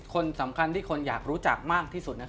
คนสำคัญที่คนอยากรู้จักมากที่สุด